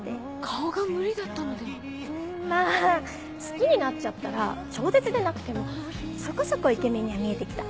まぁ好きになっちゃったら超絶でなくてもそこそこイケメンには見えて来た。